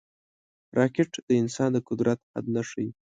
راکټ د انسان د قدرت حد نه ښيي